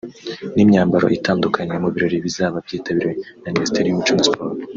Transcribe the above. n’imyambaro itandukanye mu birori bizaba byitabiriwe na Minisiteri y’Umuco na Siporo